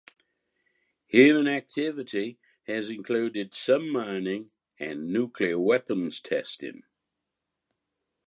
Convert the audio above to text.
Human activity has included some mining and nuclear weapons testing.